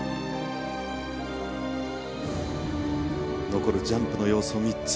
残るジャンプの要素３つ。